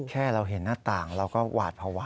แค่เราเห็นหน้าต่างเราก็หวาดภาวะ